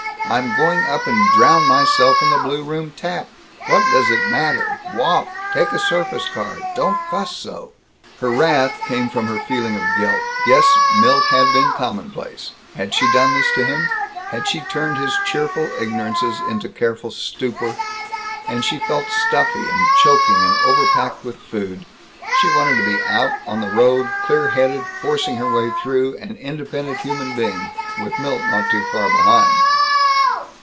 I'm going up and drown myself in the blue room tap! What does it matter! Walk! Take a surface car! Don't fuss so!" Her wrath came from her feeling of guilt. Yes, Milt had been commonplace. Had she done this to him? Had she turned his cheerful ignorances into a careful stupor? And she felt stuffy and choking and overpacked with food. She wanted to be out on the road, clear headed, forcing her way through, an independent human being with Milt not too far behind.